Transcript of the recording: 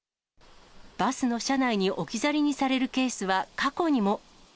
バスの車内に置き去りにされるケースは、過去にも。